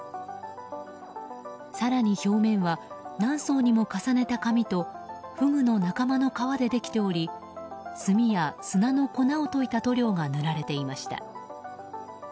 更に表面は、何層にも重ねた紙とフグの仲間の皮でできており炭や砂の粉を溶いた塗料が塗られていました。